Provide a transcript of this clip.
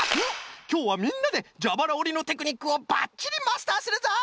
きょうはみんなでじゃばらおりのテクニックをばっちりマスターするぞ！